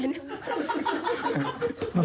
สงสัย